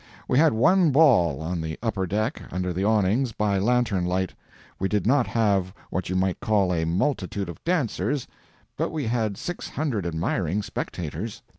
We had one ball on the upper deck, under the awnings, by lantern light. We did not have what you might call a multitude of dancers, but we had six hundred admiring spectators.